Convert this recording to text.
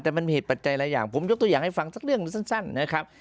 แต่มันมีเหตุปัจจัยหลายอย่างผมยกตัวอย่างให้ฟังสักเรื่องสั้นนะครับ